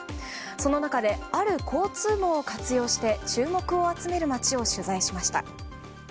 その中で、ある交通網を活用して注目を集める街を取材しました。